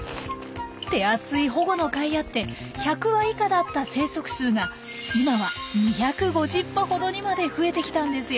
手厚い保護のかいあって１００羽以下だった生息数が今は２５０羽ほどにまで増えてきたんですよ。